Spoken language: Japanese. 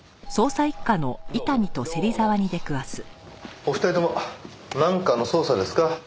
お二人ともなんかの捜査ですか？